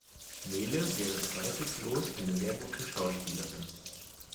Nele wäre zweifellos eine sehr gute Schauspielerin.